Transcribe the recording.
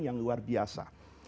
yang luar biasa